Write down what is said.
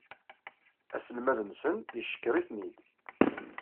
Aselmad-nsen yeckeṛ-iten-id.